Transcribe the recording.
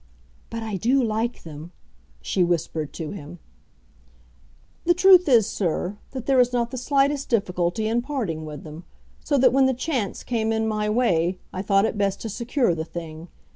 "But I do like them," she whispered to him. "The truth is, sir, that there is not the slightest difficulty in parting with them. So that when the chance came in my way I thought it best to secure the thing.